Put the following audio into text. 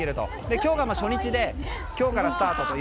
今日が初日で今日からスタートと。